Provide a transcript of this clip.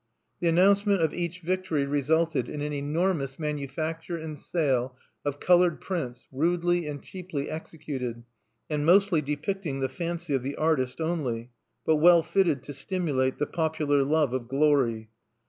The announcement of each victory resulted in an enormous manufacture and sale of colored prints, rudely and cheaply executed, and mostly depicting the fancy of the artist only, but well fitted to stimulate the popular love of glory.